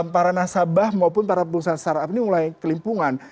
para nasabah maupun para perusahaan startup ini mulai kelimpungan